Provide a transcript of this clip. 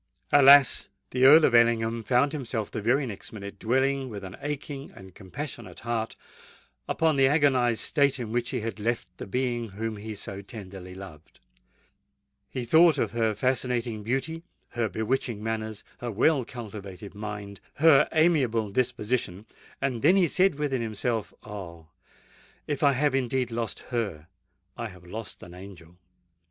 Alas! the Earl of Ellingham found himself the very next minute dwelling with an aching and compassionate heart upon the agonised state in which he had left the being whom he so tenderly loved:—he thought of her fascinating beauty—her bewitching manners—her well cultivated mind—her amiable disposition;—and then he said within himself, "Oh! if I have indeed lost her, I have lost an angel!"